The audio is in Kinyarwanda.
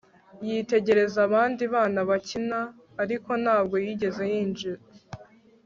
yitegereza abandi bana bakina, ariko ntabwo yigeze yinjira